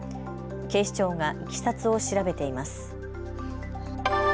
警視庁がいきさつを調べています。